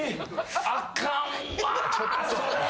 あかんわ！